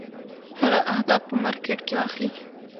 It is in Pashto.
هغه اهداف په مارکېټ کې واخلي.